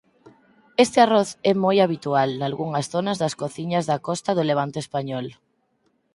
Este arroz é moi habitual nalgunhas zonas das cociñas da costa do levante español.